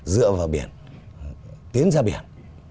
dựa vào biển tiến ra biển